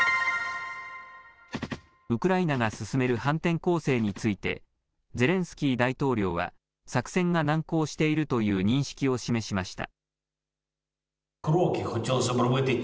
ウクライナが進める反転攻勢についてゼレンスキー大統領は作戦が難航しているという認識を示しました。